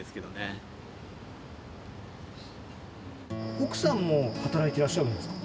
奥さんも働いてらっしゃるんですか？